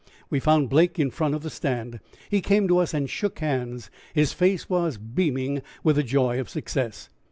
We found Blake in front of the stand. He came to us and shook hands. His face was beaming with the joy of success.